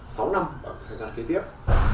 không quá sáu năm ở thời gian kế tiếp